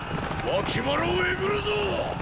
脇腹をえぐるぞ！